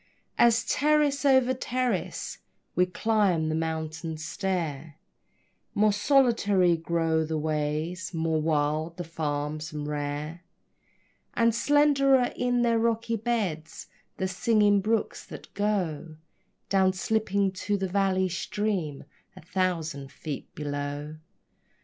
As, terrace over terrace, we climb the mountain stair, More solitary grow the ways, more wild the farms and rare, And slenderer in their rocky beds the singing brooks that go Down slipping to the valley stream a thousand feet below.